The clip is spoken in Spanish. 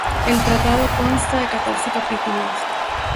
El tratado consta de catorce capítulos.